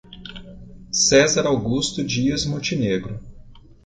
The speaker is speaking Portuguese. Cezar Augusto Dias Montenegro